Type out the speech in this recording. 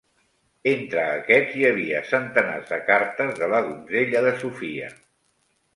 Entre aquests, hi havia centenars de cartes de la donzella de Sophia.